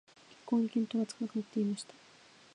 一向に見当がつかなくなっていました